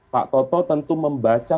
pak toto tentu membaca